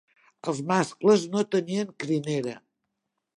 Els mascles no tenien crinera.